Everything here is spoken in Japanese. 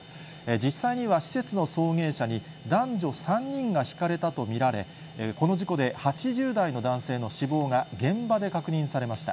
実際には施設の送迎車に男女３人がひかれたと見られ、この事故で８０代の男性の死亡が現場で確認されました。